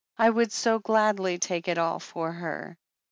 "I would so gladly take it all for her."